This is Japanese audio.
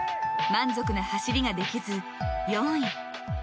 満足な走りができず４位。